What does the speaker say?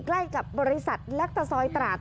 ใกล้กับบริษัทแล็กตาซอยตราด